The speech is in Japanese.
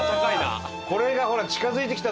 これがほら近付いてきた！